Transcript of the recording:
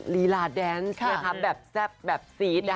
ลีลาแดนส์แบบแซ่บแบบซีส